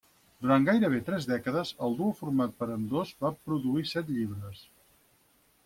Durant gairebé tres dècades, el duo format per ambdós va produir set llibres.